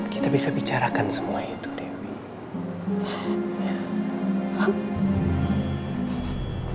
kita bisa bicarakan semua itu dewi